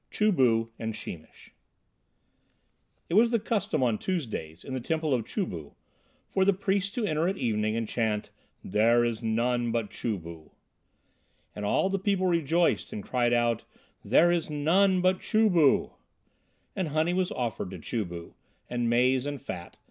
CHU BU AND SHEEMISH It was the custom on Tuesdays in the temple of Chu bu for the priests to enter at evening and chant, "There is none but Chu bu." And all the people rejoiced and cried out, "There is none but Chu bu." And honey was offered to Chu bu, and maize and fat.